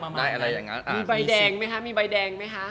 มีใบแดงไหมคะ